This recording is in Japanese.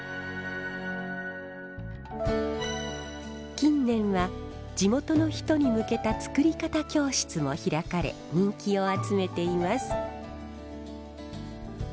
近年は地元の人に向けた作り方教室も開かれ人気を集めています。